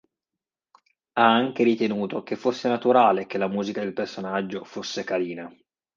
Ha anche ritenuto che fosse naturale che la musica del personaggio fosse "carina".